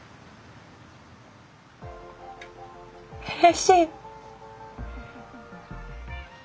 うれしい！